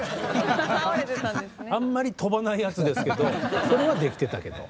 あんまり飛ばないやつですけどそれはできてたけど。